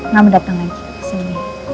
kamu datang lagi ke sini